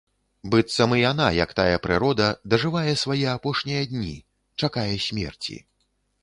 Быццам і яна, як тая прырода, дажывае свае апошнія дні, чакае смерці.